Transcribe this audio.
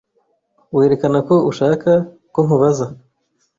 Werekana ko ushaka ko nkubaza.